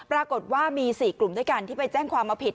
ปรากฏว่ามี๔กลุ่มด้วยกันที่ไปแจ้งความเอาผิด